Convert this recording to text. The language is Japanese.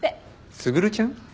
卓ちゃん？